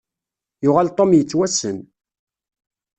Yuɣal Tom yettwassen.